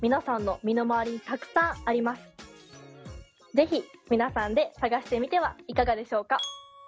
是非皆さんで探してみてはいかがでしょうか？